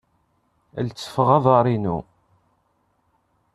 La lettfeɣ aḍar-inu.